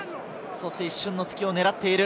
そして一瞬の隙を狙っている。